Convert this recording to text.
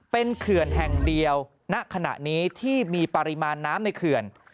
เป็นเขื่อนแห่งเดียวณขณะนี้ที่มีปริมาณน้ำในเขื่อน